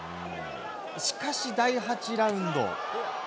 しかし、第８ラウンド。